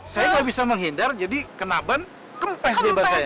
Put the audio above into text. saya nggak bisa menghindar jadi kenaban kempes dia pak saya